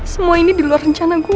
semua ini di luar rencana gue